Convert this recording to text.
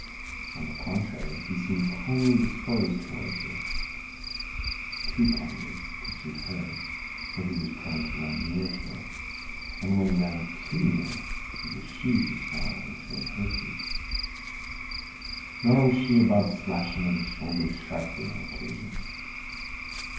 On the contrary, he seemed kindly disposed toward her—too kindly to suit her, for he was prone to run near to her, and when he ran too near it was she who snarled and showed her teeth. Nor was she above slashing his shoulder sharply on occasion.